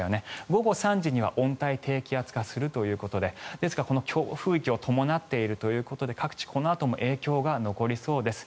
午後３時には温帯低気圧化するということでですから強風域を伴っているということで各地、このあとも影響が残りそうです。